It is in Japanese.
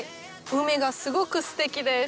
海がすごくすてきです。